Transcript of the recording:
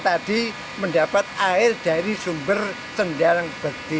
tujuannya ialah itu adalah rasa syukur kepada allah swt yang mana warga yang saya sebutkan tadi